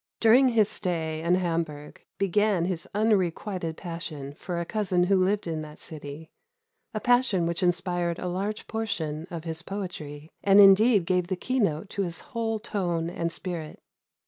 During his stay in Hamburg began his unrequited passion for a cousin who lived in that city a passion which inspired a large portion of his poetry, and indeed gave the keynote to his whole tone and spirit.